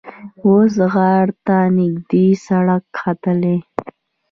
اوس غار ته نږدې سړک ختلی.